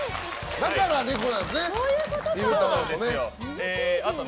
だから猫なんですね。